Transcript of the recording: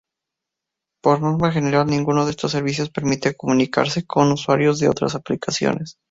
Por norma general ninguno de estos servicios permite comunicarse con usuarios de otras aplicaciones.